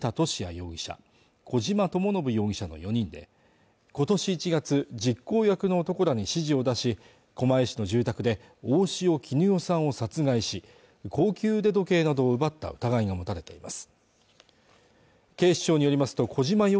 容疑者小島智信容疑者の４人で今年１月、実行役の男らに指示を出し狛江市の住宅で大塩衣与さんを殺害し高級腕時計などを奪った疑いが持たれています